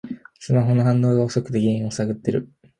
スマホの反応が遅くて原因を探ってる